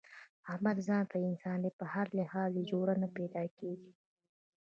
احمد ځانته انسان دی، په هر لحاظ یې جوړه نه پیداکېږي.